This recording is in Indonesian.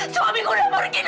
suami aku sudah pergi